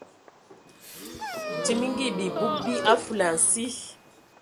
Timigi bibug bi a fulansi.